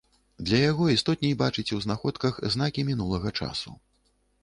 Для яго істотней бачыць у знаходках знакі мінулага часу.